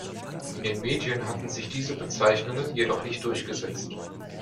In den Medien hatten sich diese Bezeichnungen jedoch nicht durchgesetzt.